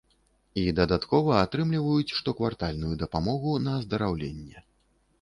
І дадаткова атрымліваюць штоквартальную дапамогу на аздараўленне.